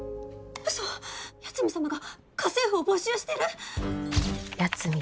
ウソ八海サマが家政婦を募集してる！？